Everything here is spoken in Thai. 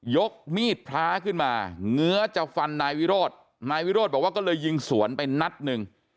ยกมีดพระขึ้นมาเงื้อจะฟันนายวิโรธนายวิโรธบอกว่าก็เลยยิงสวนไปนัดหนึ่ง